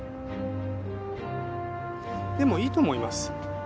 でもいいと思います。